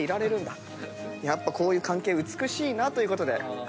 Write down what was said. やっぱこういう関係美しいなということで。